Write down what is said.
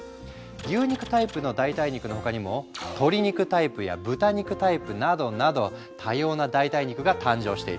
牛肉タイプの代替肉の他にも鶏肉タイプや豚肉タイプなどなど多様な代替肉が誕生している。